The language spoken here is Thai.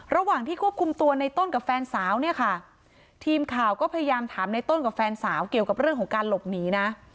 ระหว่างที่ควบคุมตัวในต้นกับแฟนสาวเนี่ยค่ะทีมข่าวก็พยายามถามในต้นกับแฟนสาวเกี่ยวกับเรื่องของการหลบหนีนะ